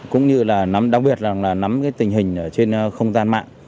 cũng như là nắm đặc biệt là nắm cái tình hình trên không gian mạng